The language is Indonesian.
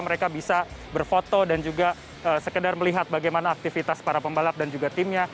mereka bisa berfoto dan juga sekedar melihat bagaimana aktivitas para pembalap dan juga timnya